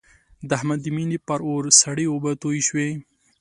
د احمد د مینې پر اور سړې اوبه توی شوې.